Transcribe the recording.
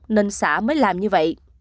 nên xã mới làm như vậy